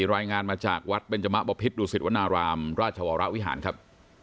รายงานมาจากวัดเบนจมะบพิษดุสิตวนารามราชวรวิหารครับ